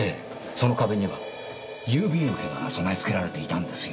その壁には郵便受けが備え付けられていたんですよ。